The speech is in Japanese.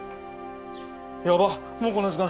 やばっもうこんな時間。